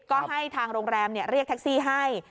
ก็ให้ทางโรงแรมเรียกแท็กซี่ให้